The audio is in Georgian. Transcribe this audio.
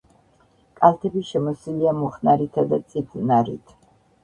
კალთები შემოსილია მუხნარითა და წიფლნარით.